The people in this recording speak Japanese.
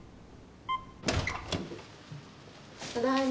ただいま。